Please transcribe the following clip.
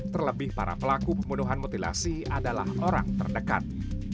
terlebih para pelaku pembunuhan mutilasi adalah orang terdekat